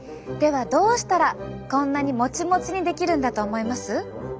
はどうしたらこんなにモチモチにできるんだと思います？